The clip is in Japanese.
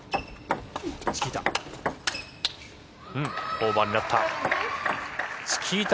オーバーになった。